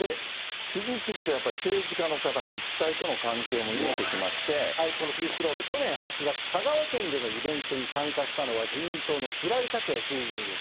次々とやっぱり政治家の方、このピースロード、去年８月、香川県でのイベントに参加したのは、自民党の平井卓也衆議院議員。